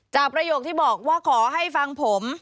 ประโยคที่บอกว่าขอให้ฟังผม